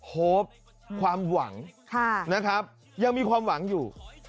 โฮปความหวังนะครับยังมีความหวังอยู่